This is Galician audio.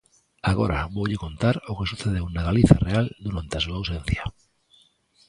Agora voulle contar o que sucedeu na Galicia real durante a súa ausencia.